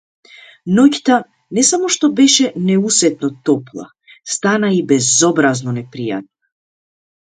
Ноќта не само што беше неусетно топла, стана и безобразно непријатна.